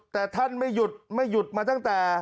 แต่ท่านไม่หยุดไม่หยุดมาตั้งแต่